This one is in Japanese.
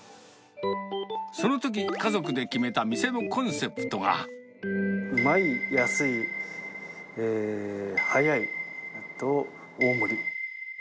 そのとき、家族で決めた店のコンうまい、安い、早い、あと大盛り。